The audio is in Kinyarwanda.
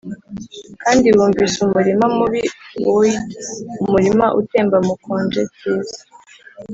kandi wunvise umurima mubi, woed umurima utemba mukonje kiza,